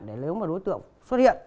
nếu mà đối tượng xuất hiện